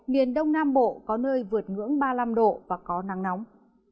miền đông nam bộ có nơi vượt ngưỡng ba mươi năm độ và có nắng nóng